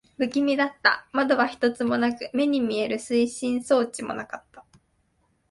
不気味だった。窓は一つもなく、目に見える推進装置もなかった。